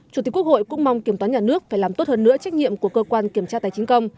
chủ tịch quốc hội cũng mong kiểm toán nhà nước phải làm tốt hơn nữa trách nhiệm của cơ quan kiểm tra tài chính công